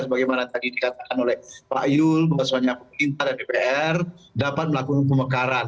sebagaimana tadi dikatakan oleh pak yul bahwasannya pemerintah dan dpr dapat melakukan pemekaran